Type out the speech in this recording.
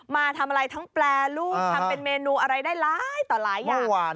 มาทำอะไรทั้งแปรรูปทำเป็นเมนูอะไรได้หลายต่อหลายอย่าง